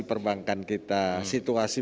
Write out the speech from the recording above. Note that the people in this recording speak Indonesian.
perbankan kita situasi